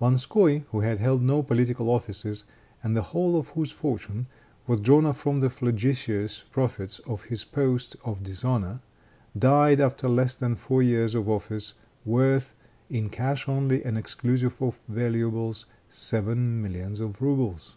Lanskoi, who had held no political offices, and the whole of whose fortune was drawn from the flagitious profits of his post of dishonor, died, after less than four years of office, worth, in cash only, and exclusive of valuables, seven millions of rubles.